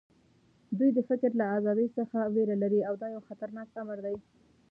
دوی د فکر له ازادۍ څخه وېره لري او دا یو خطرناک امر دی